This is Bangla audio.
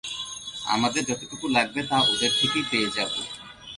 আমাদের যতটুকু লাগবে তা ওদের থেকেই পেয়ে যাব।